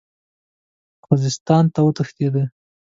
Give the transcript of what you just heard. خوزستان ته وتښتېد.